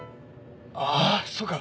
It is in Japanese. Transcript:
ああそうか！